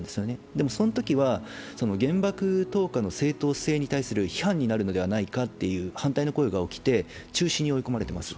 でもそのときは原爆投下の正当性に対する批判になるのではないかと反対の声が起きて中止に追い込まれています。